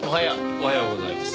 おはようございます。